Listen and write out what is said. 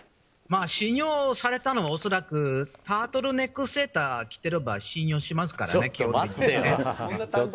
信用されたのは恐らくタートルネックセーターを着てれば信用しますからね。